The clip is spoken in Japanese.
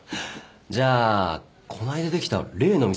じゃあこの間できた例の店行こうぜ。